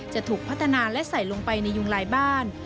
จะถูกพัฒนาและใส่ลงไปในยุงลายบ้าน